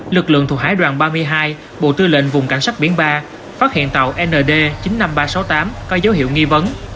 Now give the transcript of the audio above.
lực lượng thuộc hải đoàn ba mươi hai bộ tư lệnh vùng cảnh sát biển ba phát hiện tàu nd chín mươi năm nghìn ba trăm sáu mươi tám có dấu hiệu nghi vấn